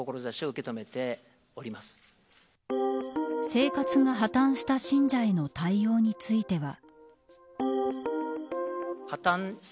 生活が破綻した信者への対応については。